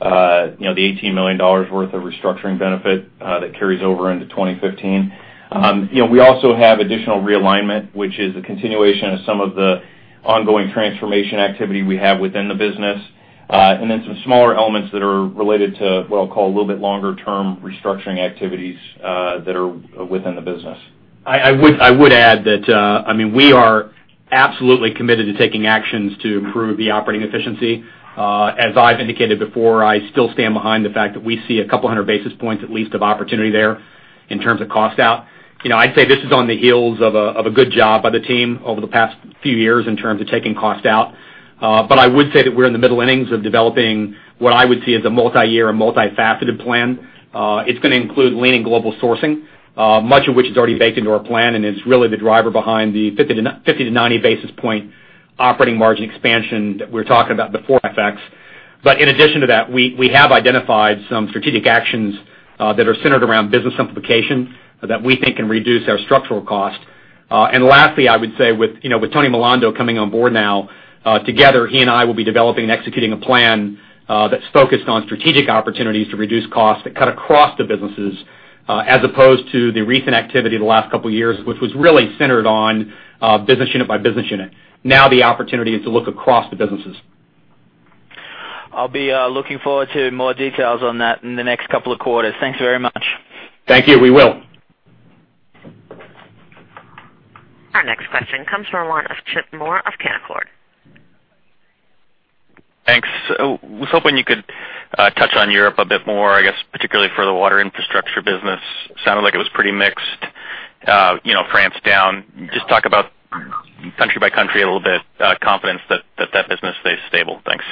the $18 million worth of restructuring benefit that carries over into 2015. We also have additional realignment, which is a continuation of some of the ongoing transformation activity we have within the business. Some smaller elements that are related to what I'll call a little bit longer-term restructuring activities that are within the business. I would add that we are absolutely committed to taking actions to improve the operating efficiency. As I've indicated before, I still stand behind the fact that we see 200 basis points at least, of opportunity there in terms of cost out. I'd say this is on the heels of a good job by the team over the past few years in terms of taking cost out. I would say that we're in the middle innings of developing what I would see as a multi-year, a multi-faceted plan. It's going to include leaning global sourcing, much of which is already baked into our plan and is really the driver behind the 50-90 basis point operating margin expansion that we were talking about before FX. In addition to that, we have identified some strategic actions that are centered around business simplification that we think can reduce our structural cost. Lastly, I would say with Tony Milando coming on board now, together he and I will be developing and executing a plan that's focused on strategic opportunities to reduce costs that cut across the businesses as opposed to the recent activity the last couple of years, which was really centered on business unit by business unit. Now the opportunity is to look across the businesses. I'll be looking forward to more details on that in the next couple of quarters. Thanks very much. Thank you. We will. Our next question comes from the line of Chip Moore of Canaccord. Thanks. I was hoping you could touch on Europe a bit more, I guess particularly for the Water Infrastructure business. Sounded like it was pretty mixed. France down. Just talk about country by country a little bit, confidence that that business stays stable. Thanks.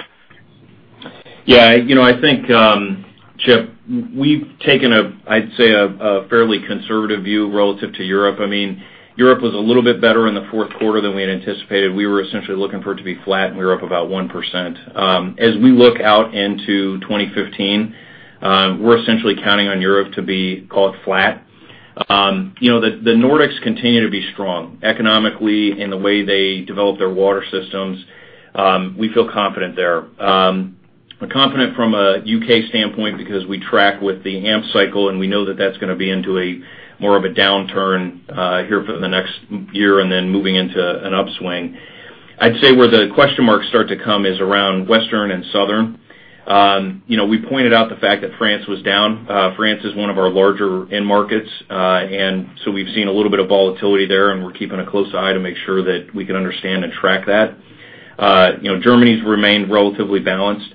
Yeah. I think, Chip, we've taken, I'd say, a fairly conservative view relative to Europe. Europe was a little bit better in the fourth quarter than we had anticipated. We were essentially looking for it to be flat, and we were up about 1%. As we look out into 2015, we're essentially counting on Europe to be called flat. The Nordics continue to be strong economically in the way they develop their water systems. We feel confident there. We're confident from a U.K. standpoint because we track with the AMP cycle, and we know that that's going to be into more of a downturn here for the next year and then moving into an upswing. I'd say where the question marks start to come is around Western and Southern. We pointed out the fact that France was down. France is one of our larger end markets. We've seen a little bit of volatility there, and we're keeping a close eye to make sure that we can understand and track that. Germany's remained relatively balanced.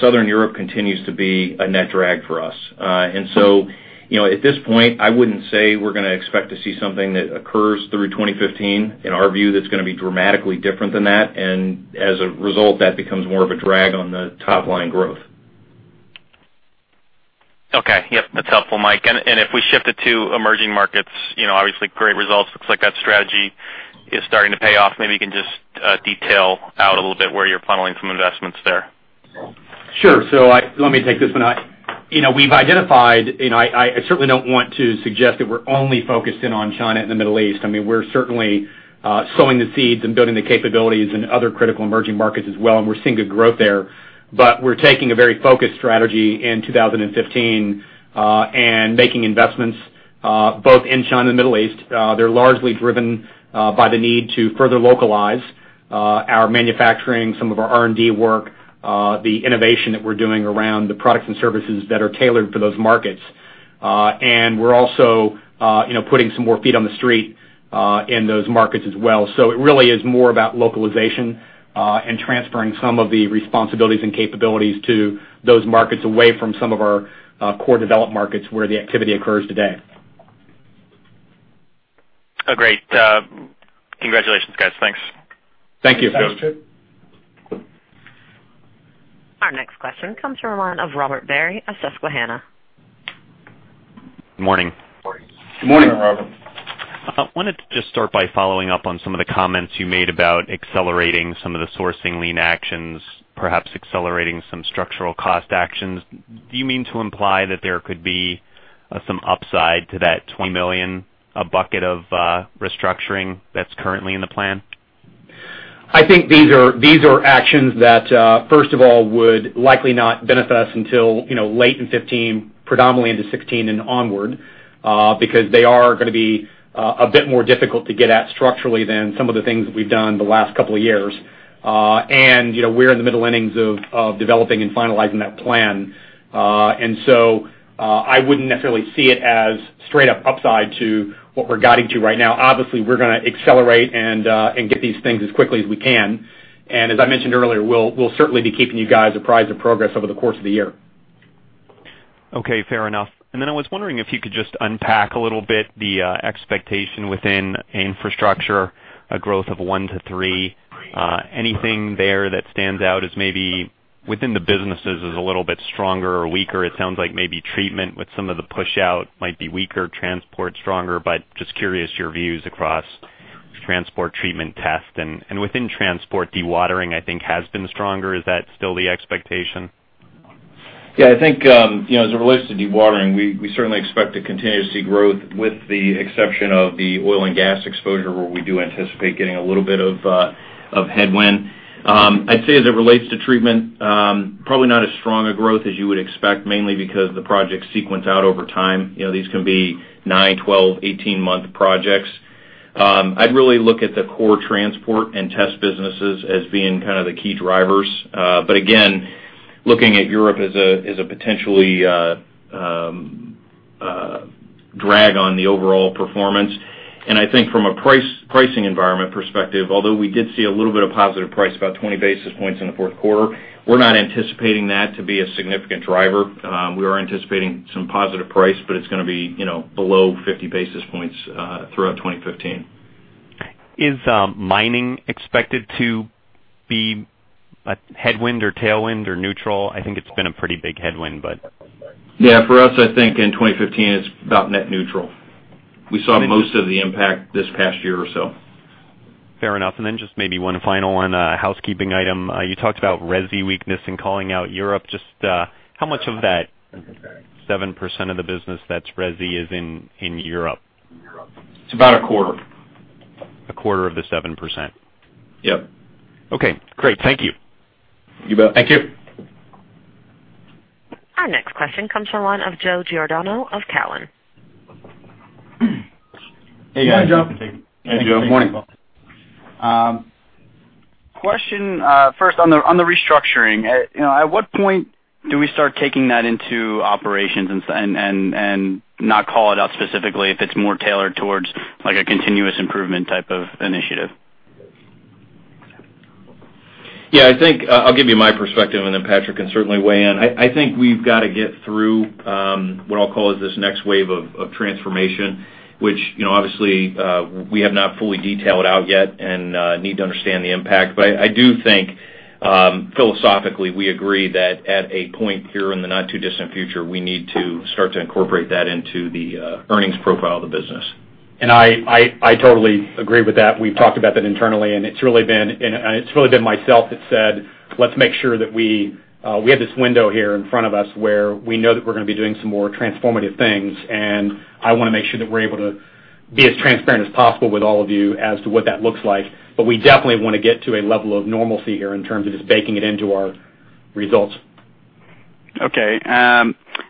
Southern Europe continues to be a net drag for us. At this point, I wouldn't say we're going to expect to see something that occurs through 2015, in our view, that's going to be dramatically different than that, and as a result, that becomes more of a drag on the top-line growth. Okay. Yep, that's helpful, Mike. If we shift it to emerging markets, obviously great results. Looks like that strategy is starting to pay off. Maybe you can just detail out a little bit where you're funneling some investments there. Sure. Let me take this one. We've identified, I certainly don't want to suggest that we're only focused in on China and the Middle East. We're certainly sowing the seeds and building the capabilities in other critical emerging markets as well, and we're seeing good growth there. We're taking a very focused strategy in 2015, making investments both in China and Middle East. They're largely driven by the need to further localize our manufacturing, some of our R&D work, the innovation that we're doing around the products and services that are tailored for those markets. We're also putting some more feet on the street in those markets as well. It really is more about localization, transferring some of the responsibilities and capabilities to those markets away from some of our core developed markets where the activity occurs today. Great. Congratulations, guys. Thanks. Thank you. Thanks, Chip. Our next question comes from the line of Robert Barry of Susquehanna. Morning. Morning. Good morning, Robert. I wanted to just start by following up on some of the comments you made about accelerating some of the sourcing Lean actions, perhaps accelerating some structural cost actions. Do you mean to imply that there could be some upside to that $20 million bucket of restructuring that's currently in the plan? I think these are actions that, first of all, would likely not benefit us until late in 2015, predominantly into 2016 and onward, because they are gonna be a bit more difficult to get at structurally than some of the things that we've done the last couple of years. We're in the middle innings of developing and finalizing that plan. So I wouldn't necessarily see it as straight-up upside to what we're guiding to right now. Obviously, we're gonna accelerate and get these things as quickly as we can. As I mentioned earlier, we'll certainly be keeping you guys apprised of progress over the course of the year. Okay, fair enough. Then I was wondering if you could just unpack a little bit the expectation within infrastructure, a growth of 1% to 3%. Anything there that stands out as maybe within the businesses is a little bit stronger or weaker? It sounds like maybe treatment with some of the push-out might be weaker, transport stronger, but just curious your views across transport, treatment, test and within transport, dewatering, I think, has been stronger. Is that still the expectation? Yeah, I think, as it relates to dewatering, we certainly expect to continue to see growth with the exception of the oil and gas exposure, where we do anticipate getting a little bit of headwind. I'd say as it relates to treatment, probably not as strong a growth as you would expect, mainly because the projects sequence out over time. These can be nine, 12, 18-month projects. I'd really look at the core transport and test businesses as being kind of the key drivers. Again, looking at Europe as a potentially drag on the overall performance. I think from a pricing environment perspective, although we did see a little bit of positive price, about 20 basis points in the fourth quarter, we're not anticipating that to be a significant driver. We are anticipating some positive price, but it's gonna be below 50 basis points throughout 2015. Is mining expected to be a headwind or tailwind or neutral? I think it's been a pretty big headwind, but. Yeah, for us, I think in 2015 it's about net neutral. We saw most of the impact this past year or so. Fair enough. Just maybe one final one, a housekeeping item. You talked about resi weakness in calling out Europe. Just how much of that 7% of the business that's resi is in Europe? It's about a quarter. A quarter of the 7%? Yep. Okay, great. Thank you. You bet. Thank you. Our next question comes from the line of Joe Giordano of Cowen. Hey, guys. Hey, Joe. Hey, Joe. Good morning. Question first on the restructuring. At what point do we start taking that into operations and not call it out specifically if it's more tailored towards a continuous improvement type of initiative? Yeah, I think I'll give you my perspective and then Patrick can certainly weigh in. I think we've got to get through what I'll call is this next wave of transformation, which obviously, we have not fully detailed out yet and need to understand the impact. I do think, philosophically, we agree that at a point here in the not-too-distant future, we need to start to incorporate that into the earnings profile of the business. I totally agree with that. We've talked about that internally, and it's really been myself that said, let's make sure that we have this window here in front of us where we know that we're going to be doing some more transformative things. I wanna make sure that we're able to be as transparent as possible with all of you as to what that looks like. We definitely wanna get to a level of normalcy here in terms of just baking it into our results. Okay.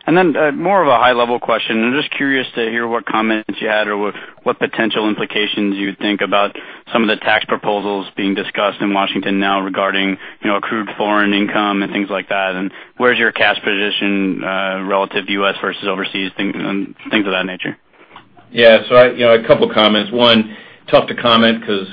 Then more of a high-level question. I'm just curious to hear what comments you had or what potential implications you think about some of the tax proposals being discussed in Washington now regarding accrued foreign income and things like that, and where's your cash position relative to U.S. versus overseas, things of that nature. Yeah. A couple of comments. One, tough to comment because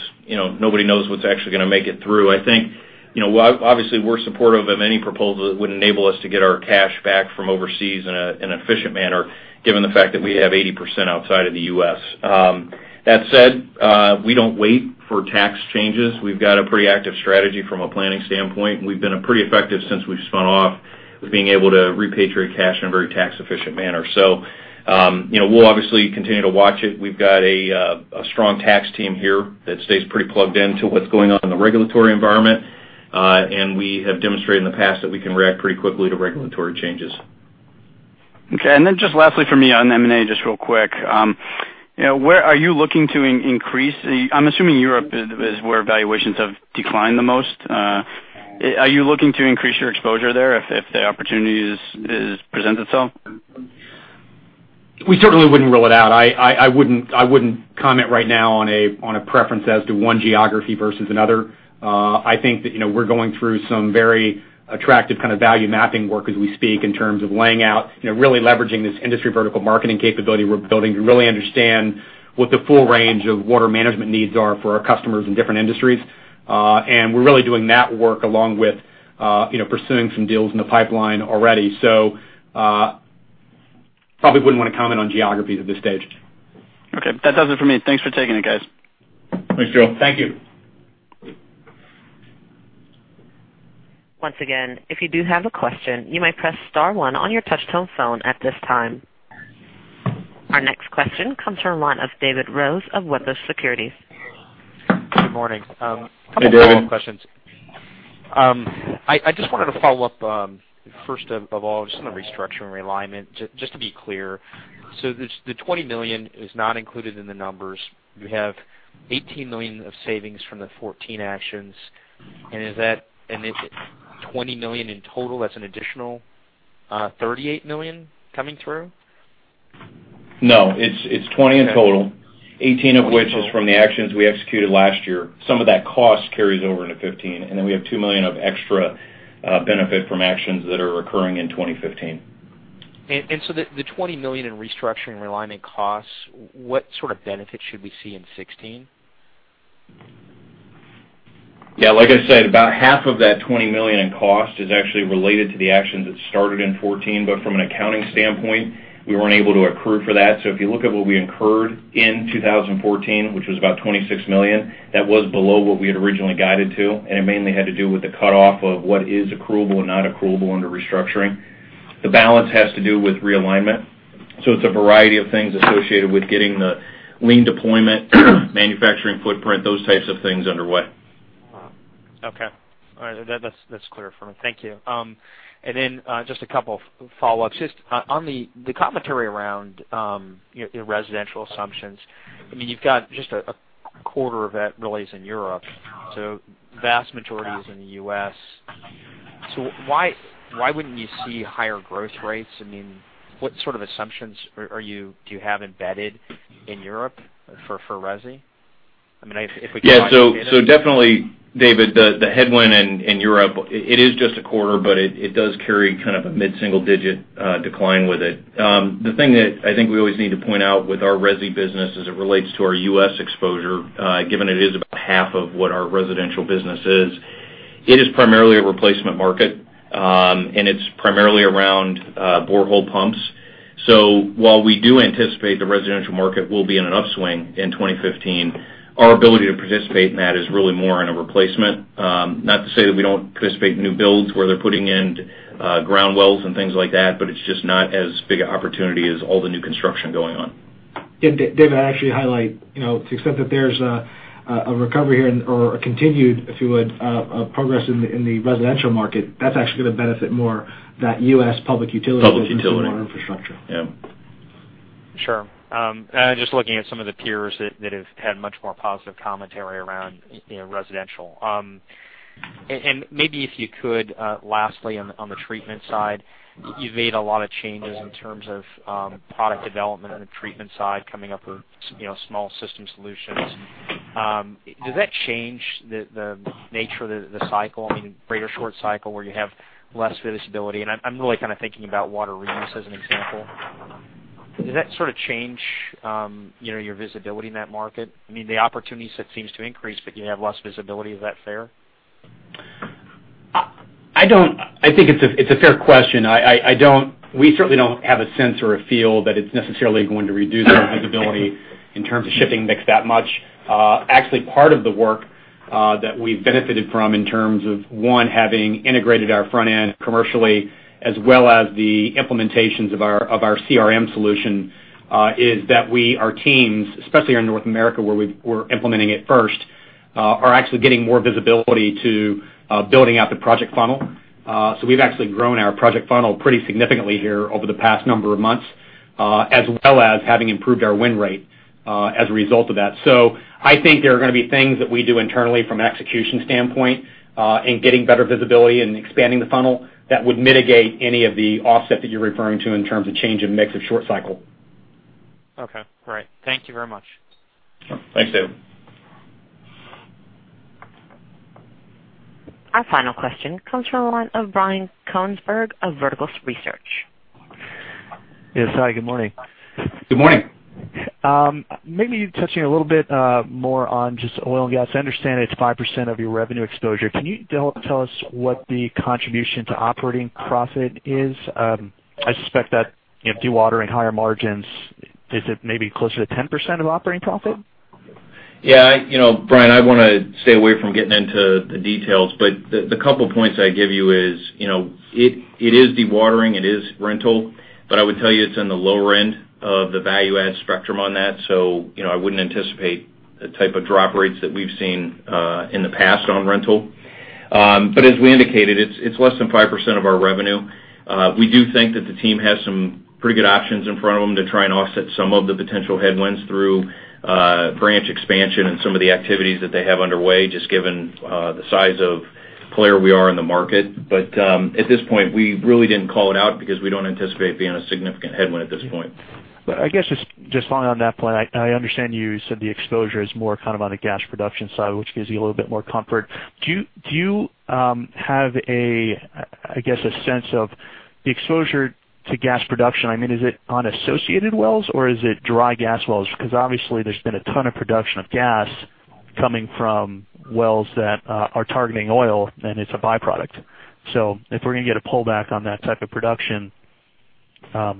nobody knows what's actually going to make it through. I think, obviously, we're supportive of any proposal that would enable us to get our cash back from overseas in an efficient manner, given the fact that we have 80% outside of the U.S. That said, we don't wait for tax changes. We've got a pretty active strategy from a planning standpoint. We've been pretty effective since we've spun off with being able to repatriate cash in a very tax efficient manner. We'll obviously continue to watch it. We've got a strong tax team here that stays pretty plugged into what's going on in the regulatory environment. We have demonstrated in the past that we can react pretty quickly to regulatory changes. Okay. Just lastly from me on M&A, just real quick. Are you looking to increase-- I'm assuming Europe is where valuations have declined the most. Are you looking to increase your exposure there if the opportunity presents itself? We certainly wouldn't rule it out. I wouldn't comment right now on a preference as to one geography versus another. I think that we're going through some very attractive kind of value mapping work as we speak in terms of laying out, really leveraging this industry vertical marketing capability we're building to really understand what the full range of water management needs are for our customers in different industries. We're really doing that work along with pursuing some deals in the pipeline already. Probably wouldn't want to comment on geographies at this stage. Okay. That does it for me. Thanks for taking it, guys. Thanks, Joe. Thank you. Once again, if you do have a question, you may press star one on your touch tone phone at this time. Our next question comes from the line of David Rose of Wedbush Securities. Good morning. Hey, David. A couple of follow-up questions. I just wanted to follow up, first of all, just on the restructuring realignment, just to be clear. The $20 million is not included in the numbers. You have $18 million of savings from the 14 actions. Is it $20 million in total? That's an additional $38 million coming through? No, it's $20 in total, $18 of which is from the actions we executed last year. Some of that cost carries over into 2015, we have $2 million of extra benefit from actions that are occurring in 2015. The $20 million in restructuring realignment costs, what sort of benefit should we see in 2016? Yeah, like I said, about half of that $20 million in cost is actually related to the actions that started in 2014. From an accounting standpoint, we weren't able to accrue for that. If you look at what we incurred in 2014, which was about $26 million, that was below what we had originally guided to, it mainly had to do with the cutoff of what is accruable and not accruable under restructuring. The balance has to do with realignment. It's a variety of things associated with getting the Lean deployment, manufacturing footprint, those types of things underway. Okay. All right. That's clear for me. Thank you. Just a couple of follow-ups. Just on the commentary around your residential assumptions. You've got just a quarter of that really is in Europe, so vast majority is in the U.S. Why wouldn't you see higher growth rates? What sort of assumptions do you have embedded in Europe for resi? If we could- Yeah. Definitely, David, the headwind in Europe, it is just a quarter, but it does carry kind of a mid-single digit decline with it. The thing that I think we always need to point out with our resi business as it relates to our U.S. exposure, given it is about half of what our residential business is, it is primarily a replacement market, and it's primarily around borehole pumps. While we do anticipate the residential market will be in an upswing in 2015, our ability to participate in that is really more in a replacement. Not to say that we don't participate in new builds where they're putting in ground wells and things like that, but it's just not as big an opportunity as all the new construction going on. David, I'd actually highlight, to the extent that there's a recovery here or a continued, if you would, progress in the residential market, that's actually going to benefit more that U.S. public utility- Public utility infrastructure. Yeah. Sure. Just looking at some of the peers that have had much more positive commentary around residential. Maybe if you could, lastly, on the treatment side, you've made a lot of changes in terms of product development on the treatment side coming up with small system solutions. Does that change the nature of the cycle? I mean, greater short cycle where you have less visibility, and I'm really kind of thinking about water reuse as an example. Does that sort of change your visibility in that market? I mean, the opportunity set seems to increase, but you have less visibility. Is that fair? I think it's a fair question. We certainly don't have a sense or a feel that it's necessarily going to reduce our visibility in terms of shifting mix that much. Actually, part of the work that we've benefited from in terms of, one, having integrated our front end commercially, as well as the implementations of our CRM solution, is that our teams, especially in North America, where we're implementing it first, are actually getting more visibility to building out the project funnel. We've actually grown our project funnel pretty significantly here over the past number of months. As well as having improved our win rate as a result of that. I think there are going to be things that we do internally from an execution standpoint in getting better visibility and expanding the funnel that would mitigate any of the offset that you're referring to in terms of change in mix of short cycle. Okay, great. Thank you very much. Sure. Thanks, David. Our final question comes from the line of Brian Konigsburg of Verticals Research. Yes. Hi, good morning. Good morning. Maybe touching a little bit more on just oil and gas. I understand it's 5% of your revenue exposure. Can you tell us what the contribution to operating profit is? I suspect that dewatering higher margins, is it maybe closer to 10% of operating profit? Yeah. Brian, I want to stay away from getting into the details, but the couple of points I give you is, it is dewatering, it is rental, but I would tell you it's in the lower end of the value add spectrum on that. I wouldn't anticipate the type of drop rates that we've seen in the past on rental. As we indicated, it's less than 5% of our revenue. We do think that the team has some pretty good options in front of them to try and offset some of the potential headwinds through branch expansion and some of the activities that they have underway, just given the size of player we are in the market. At this point, we really didn't call it out because we don't anticipate being a significant headwind at this point. I guess, just following on that point, I understand you said the exposure is more on the gas production side, which gives you a little bit more comfort. Do you have, I guess, a sense of the exposure to gas production? I mean, is it on associated wells or is it dry gas wells? Because obviously, there's been a ton of production of gas coming from wells that are targeting oil, and it's a byproduct. If we're going to get a pullback on that type of production, have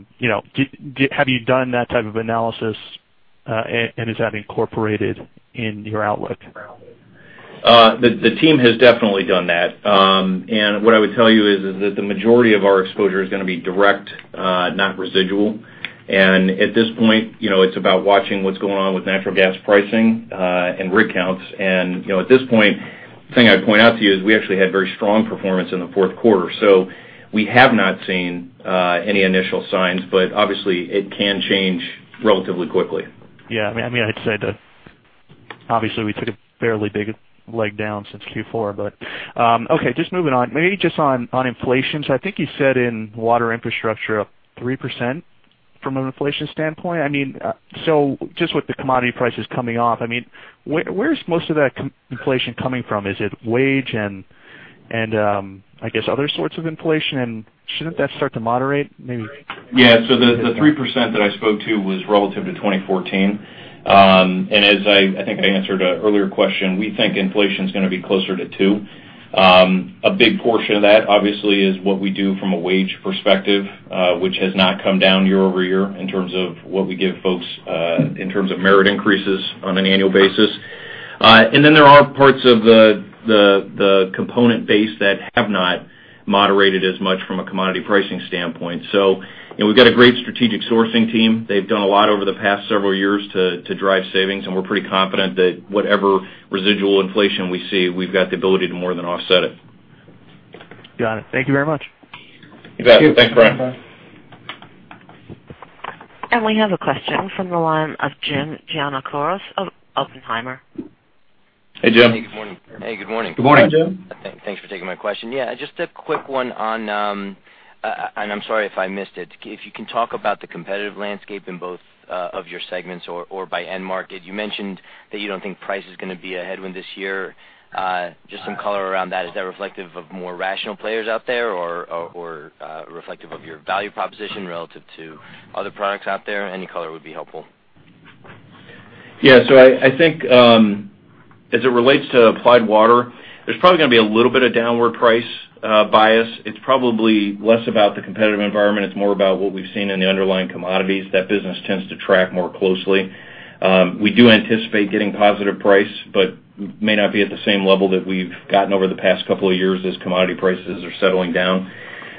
you done that type of analysis, and is that incorporated in your outlook? The team has definitely done that. What I would tell you is that the majority of our exposure is going to be direct, not residual. At this point, it's about watching what's going on with natural gas pricing, and rig counts. At this point, the thing I'd point out to you is we actually had very strong performance in the fourth quarter. We have not seen any initial signs, but obviously, it can change relatively quickly. Yeah. I would say that obviously we took a fairly big leg down since Q4, but, okay. Just moving on, maybe just on inflation. I think you said in Water Infrastructure up 3% from an inflation standpoint. Just with the commodity prices coming off, where's most of that inflation coming from? Is it wage and, I guess, other sorts of inflation? Shouldn't that start to moderate, maybe? Yeah. The 3% that I spoke to was relative to 2014. As I think I answered an earlier question, we think inflation's going to be closer to two. A big portion of that, obviously, is what we do from a wage perspective, which has not come down year-over-year in terms of what we give folks, in terms of merit increases on an annual basis. Then there are parts of the component base that have not moderated as much from a commodity pricing standpoint. We've got a great strategic sourcing team. They've done a lot over the past several years to drive savings, and we're pretty confident that whatever residual inflation we see, we've got the ability to more than offset it. Got it. Thank you very much. You bet. Thanks, Brian. We have a question from the line of Jim Giannakouros of Oppenheimer. Hey, Jim. Hey, good morning. Good morning, Jim. Thanks for taking my question. I'm sorry if I missed it. If you can talk about the competitive landscape in both of your segments or by end market. You mentioned that you don't think price is going to be a headwind this year. Just some color around that. Is that reflective of more rational players out there or reflective of your value proposition relative to other products out there? Any color would be helpful. I think, as it relates to Applied Water, there's probably going to be a little bit of downward price bias. It's probably less about the competitive environment. It's more about what we've seen in the underlying commodities. That business tends to track more closely. We do anticipate getting positive price, but may not be at the same level that we've gotten over the past couple of years as commodity prices are settling down.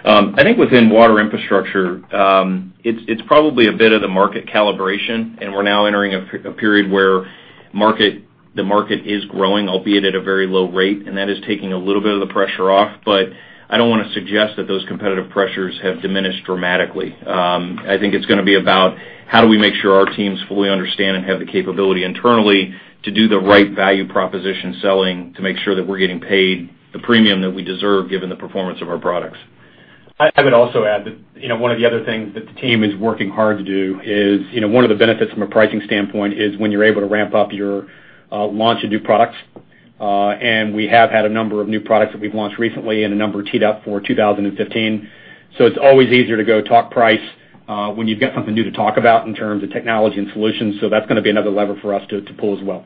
I think within Water Infrastructure, it's probably a bit of the market calibration, and we're now entering a period where the market is growing, albeit at a very low rate, and that is taking a little bit of the pressure off. I don't want to suggest that those competitive pressures have diminished dramatically. I think it's going to be about how do we make sure our teams fully understand and have the capability internally to do the right value proposition selling to make sure that we're getting paid the premium that we deserve given the performance of our products. I would also add that one of the other things that the team is working hard to do is one of the benefits from a pricing standpoint is when you're able to ramp up your launch of new products. We have had a number of new products that we've launched recently and a number teed up for 2015. It's always easier to go talk price, when you've got something new to talk about in terms of technology and solutions. That's going to be another lever for us to pull as well.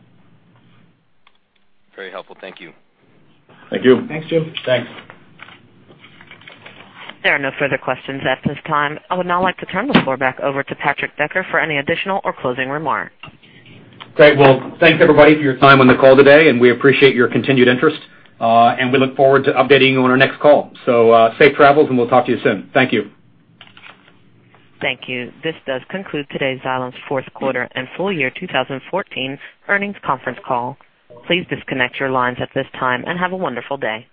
Very helpful. Thank you. Thank you. Thanks, Jim. Thanks. There are no further questions at this time. I would now like to turn the floor back over to Patrick Decker for any additional or closing remarks. Great. Well, thanks everybody for your time on the call today. We appreciate your continued interest. We look forward to updating you on our next call. Safe travels, and we'll talk to you soon. Thank you. Thank you. This does conclude today's Xylem's fourth quarter and full year 2014 earnings conference call. Please disconnect your lines at this time and have a wonderful day.